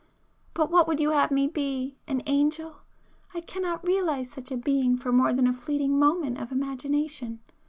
But what would you have me be? An angel? I cannot realize such a being for more than a fleeting moment of imagination.